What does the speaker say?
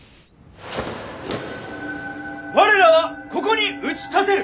我らはここに打ち立てる！